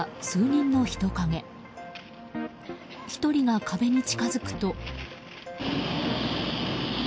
１人が壁に近づくと。